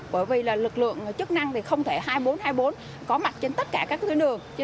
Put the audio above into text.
bởi vì lực lượng chức năng không thể hai mươi bốn hai mươi bốn có mặt trên tất cả các nơi